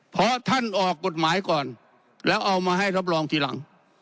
เพราะท่านออกกฎหมายก่อนแล้วเอามาให้รับรองทีหลัง